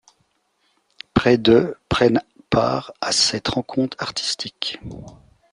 Près de prennent part à cette rencontre artistique.